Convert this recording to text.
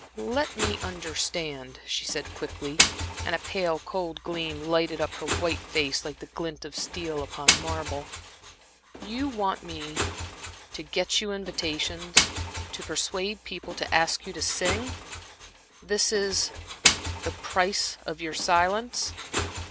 "Let me understand," she said, quickly, and a pale, cold gleam lighted up her white face, like the glint of steel upon marble. "You want me to to get you invitations, to persuade people to ask you to sing? This is the the price of your silence?"